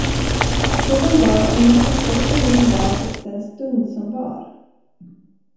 Frågan var om den passade till den dag och den stund som var?